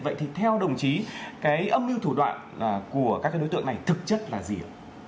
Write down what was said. vậy thì theo đồng chí cái âm mưu thủ đoạn của các cái đối tượng này thực chất là gì